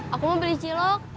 aku mau beli cilok